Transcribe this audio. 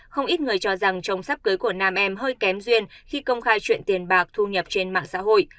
không ít người cho rằng trồng sắp cưới của nam em hơi kém duyên khi công khai chuyện tiền bạc thu nhập trên mạng xã hội